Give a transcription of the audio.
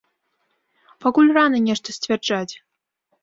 Пакуль рана нешта сцвярджаць.